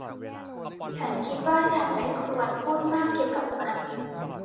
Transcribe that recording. ฉันคิดว่าฉันไม่ควรพูดมากเกี่ยวกับมัน